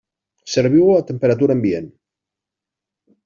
Serviu-ho a temperatura ambient.